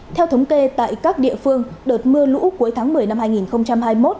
theo thống kê tại các địa phương đợt mưa lũ cuối tháng một mươi năm hai nghìn hai mươi một